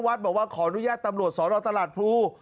วัดบอกว่าขอนุญาตตำรวจสรรคตลาดภูรณ์